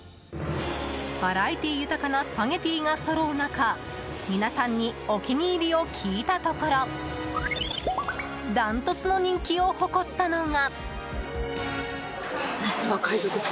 バラエティー豊かなスパゲティがそろう中皆さんにお気に入りを聞いたところダントツの人気を誇ったのが。